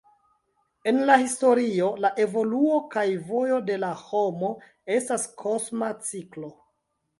En la historio la evoluo kaj vojo de la homo estas kosma ciklo.